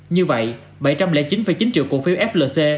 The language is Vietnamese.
như vậy bảy trăm linh chín chín triệu cổ phiếu flc